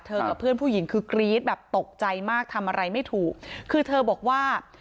กับเพื่อนผู้หญิงคือกรี๊ดแบบตกใจมากทำอะไรไม่ถูกคือเธอบอกว่า